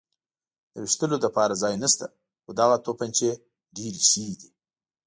د وېشتلو لپاره ځای نشته، خو دغه تومانچې ډېرې ښې دي.